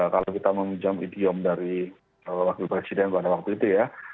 kalau kita meminjam idiom dari wakil presiden pada waktu itu ya